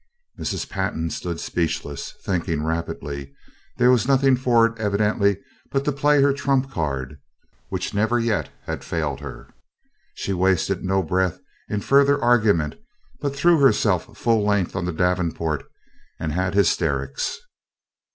Mrs. Pantin stood speechless, thinking rapidly. There was nothing for it evidently but to play her trump card, which never yet had failed her. She wasted no breath in further argument, but threw herself full length on the davenport and had hysterics.